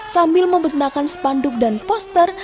sambil membentangkan spanduk dan poster